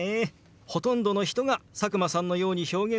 ほとんどの人が佐久間さんのように表現すると思います。